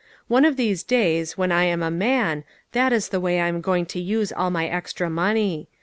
One of these days, when I am a man, that is the way I am going to use all my extra money.